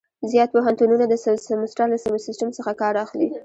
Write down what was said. زیات پوهنتونونه د سمستر له سیسټم څخه کار اخلي.